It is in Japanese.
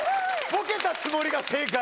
ボケたつもりが正解。